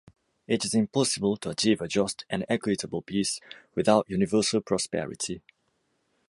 It is impossible to achieve a just and equitable peace without universal prosperity.